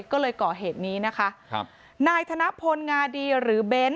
ก็เลยก่อเหตุนี้นะคะครับนายธนพลงาดีหรือเบ้น